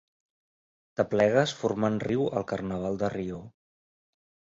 T'aplegues formant riu al carnaval de Rio.